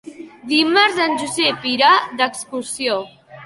Dimarts en Josep irà d'excursió.